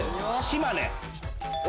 島根。